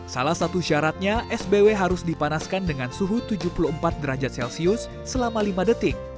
salah satu syaratnya sbw harus dipanaskan dengan suhu tujuh puluh empat derajat celcius selama lima detik